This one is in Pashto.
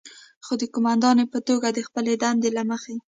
خو د قوماندانې په توګه د خپلې دندې له مخې،